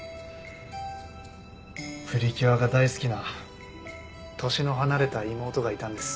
『プリキュア』が大好きな年の離れた妹がいたんです。